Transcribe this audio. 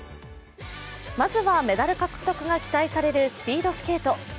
まずは、メダル獲得が期待されるスピードスケート。